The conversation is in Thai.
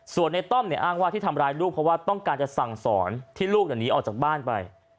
ส่วนในต้อมเนี่ยอ้างว่าที่ทำร้ายลูกเพราะว่าต้องการจะสั่งสอนที่ลูกหนีออกจากบ้านไป